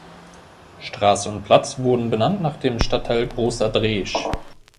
Straße und Platz wurden benannt nach dem Stadtteil Großer Dreesch.